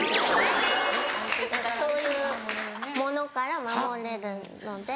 そういうものから守れるので。